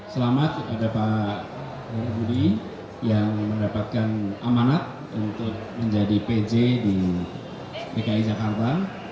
selamat ada pak budi yang mendapatkan amanat untuk menjadi pj di dki jakarta